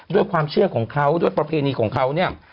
ด้วยความเชื่อของเขาด้วยประเพณีของเขาเนี่ย